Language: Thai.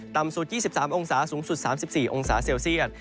ต่ำสุด๒๓องศาสูงสุด๓๔องศาเซลเซียต